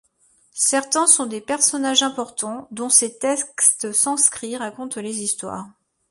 Certains sont des personnages importants dont ces textes sanskrits racontent les histoires.